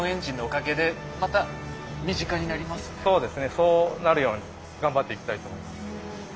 そうなるように頑張っていきたいと思います。